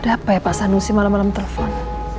ada apa ya pak sanusi malem malem telepon